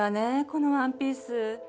このワンピース。